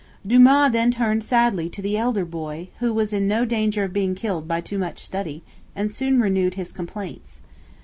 Dumas then turned sadly to the elder boy, who was in no danger of being killed by too much study, and soon renewed his complaints.